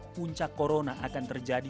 puncak corona akan terjadi